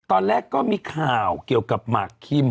ตอนแรกก็มีข่าวเกี่ยวกับหมากคิม